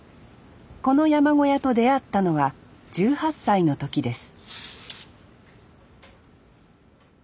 この山小屋と出会ったのは１８歳の時です